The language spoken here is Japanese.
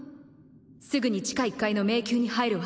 すぐに地下１階の迷宮に入るわ。